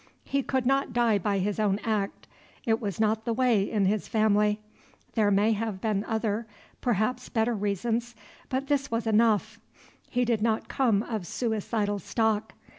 He would not die by his own act. It was not the way in his family. There may have been other, perhaps better reasons, but this was enough; he did not come of suicidal stock.